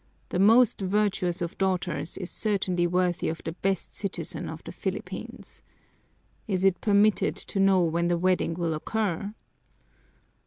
The most virtuous of daughters is certainly worthy of the best citizen of the Philippines. Is it permitted to know when the wedding will occur?"